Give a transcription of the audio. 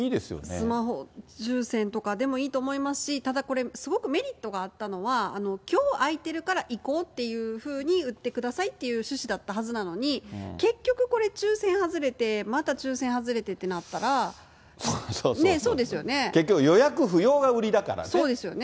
スマホ抽せんとかでもいいと思いますし、ただこれ、すごくメリットがあったのは、きょう空いてるから行こうっていうふうに打ってくださいっていう趣旨だったはずなのに、結局これ、抽せん外れて、また抽せん外れてってなったら、そうですよね？